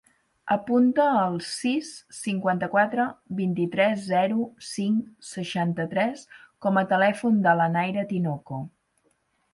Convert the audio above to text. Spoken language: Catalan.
Apunta el sis, cinquanta-quatre, vint-i-tres, zero, cinc, seixanta-tres com a telèfon de la Naira Tinoco.